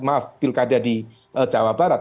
maaf pilkada di jawa barat